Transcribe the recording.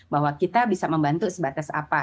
bahwa kita bisa membantu sebatas apa